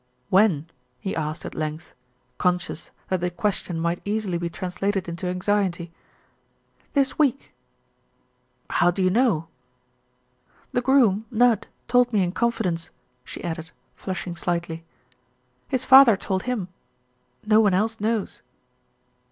"When?" he asked at length, conscious that the question might easily be translated into anxiety. "This week." "How do you know?" "The groom, Nudd, told me in confidence," she added, flushing slightly. "His father told him. No one else knows."